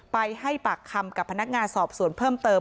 ไปให้ปากคำกับพนักงานสอบสวนเพิ่มเติม